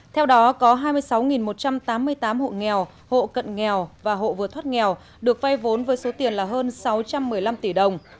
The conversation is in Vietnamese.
theo đó có hai mươi sáu một trăm tám mươi tám hộ nghèo hộ cận nghèo và hộ vừa thoát nghèo được vay vốn với số tiền là hơn sáu trăm một mươi năm tỷ đồng